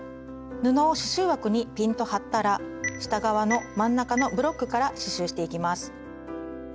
布を刺しゅう枠にピンと張ったら下側の真ん中のブロックから刺しゅうしていきます。